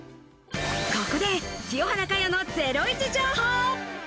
ここで清原果耶のゼロイチ情報。